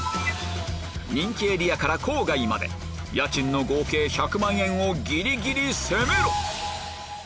人気エリアから郊外まで家賃の合計１００万円をギリギリ攻めろ！